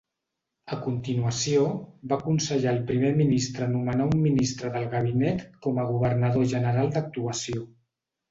A continuació, va aconsellar al primer ministre a nomenar un ministre del gabinet com a governador general d'actuació.